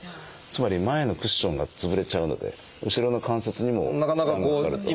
つまり前のクッションが潰れちゃうので後ろの関節にも負担がかかると。